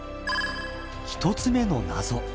１つ目の謎。